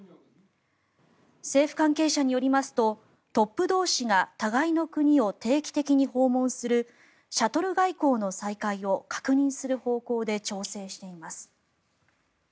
政府関係者によりますとトップ同士が互いの国を定期的に訪問するシャトル外交の再開を確認する方向で調整しています。